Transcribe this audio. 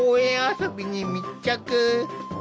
遊びに密着。